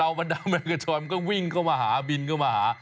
เอามาดาวแมงกระช้อนมันก็วิ่งเข้ามาหาบินเข้ามาหา